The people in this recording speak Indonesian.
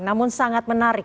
namun sangat menarik